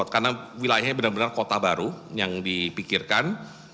karena wilayahnya benar benar kota baru yang dipikirkan